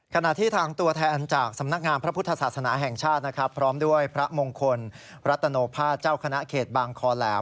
ขณะที่ทางตัวแทนจากสำนักงานพระพุทธศาสนาแห่งชาตินะครับพร้อมด้วยพระมงคลรัตโนภาษเจ้าคณะเขตบางคอแหลม